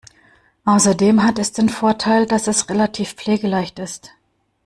Außerdem hat es den Vorteil, dass es relativ pflegeleicht ist.